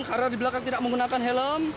karena di belakang tidak menggunakan helm